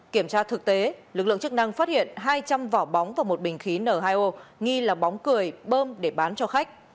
kiểm tra thực tế lực lượng chức năng phát hiện hai trăm linh vỏ bóng và một bình khí n hai o nghi là bóng cười bơm để bán cho khách